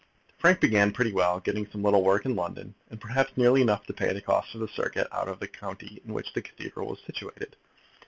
Frank began pretty well, getting some little work in London, and perhaps nearly enough to pay the cost of his circuit out of the county in which the cathedral was situated.